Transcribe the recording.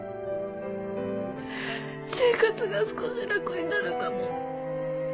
生活が少し楽になるかも